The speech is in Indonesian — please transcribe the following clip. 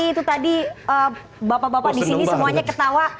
itu tadi bapak bapak di sini semuanya ketawa